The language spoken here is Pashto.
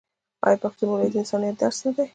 آیا پښتونولي د انسانیت درس نه دی؟